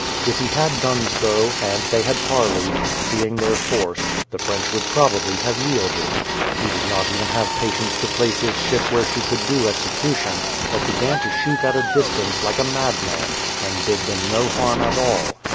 If he had done so, and they had parleyed, seeing their force, the French would probably have yielded. He did not even have patience to place his ship where she could do execution, but began to shoot at a distance like a madman, and did them no harm at all.